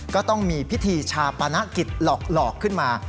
ก็ต้องมีพิธีชาปนกิจหลอกขึ้นมา